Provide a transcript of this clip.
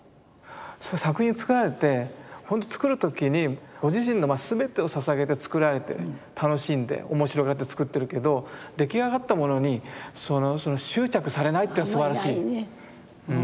その作品を作られてほんと作る時にご自身のすべてをささげて作られて楽しんで面白がって作ってるけど出来上がったものに執着されないってのがすばらしい。